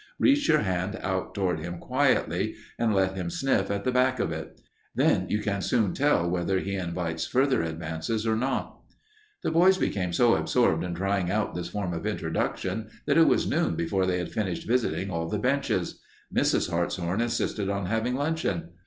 Reach your hand out toward him quietly and let him sniff at the back of it. Then you can soon tell whether he invites further advances or not." The boys became so absorbed in trying out this form of introduction that it was noon before they had finished visiting all the benches. Mrs. Hartshorn insisted on having luncheon.